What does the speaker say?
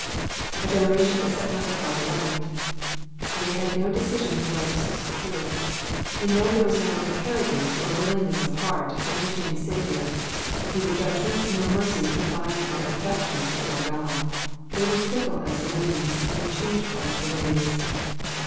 4 generation that set not their heart aright,'*'* They had no decision for righteousness and truth. In them there was no preparedness, or willingness of heart, to entertain the Saviour ; neither judgments, nor mercies could bind their affections to their God ; they were fickle as the winds, and changeful as the waves.